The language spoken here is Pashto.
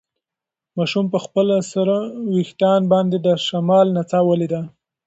ماشوم په خپلو سره وېښتان باندې د شمال نڅا ولیده.